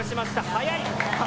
速い！